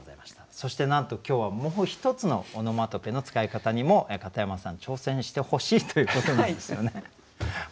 そしてなんと今日はもう一つのオノマトペの使い方にも片山さん挑戦してほしいということなんですよね。